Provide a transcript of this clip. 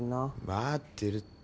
分かってるって。